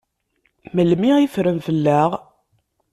Melmi i ffren fell-aɣ?